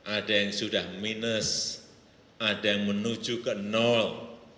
ada yang sudah minus ada yang menuju ke nol